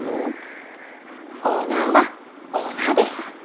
オーナーはオーナーです。